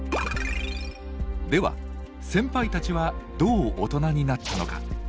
では先輩たちはどう大人になったのか。